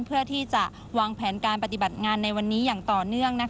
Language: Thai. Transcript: เพื่อที่จะวางแผนการปฏิบัติงานในวันนี้อย่างต่อเนื่อง